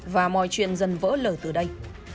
và mọi chuyện dần vỡ lở từ đây